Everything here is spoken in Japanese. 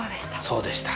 そうでした。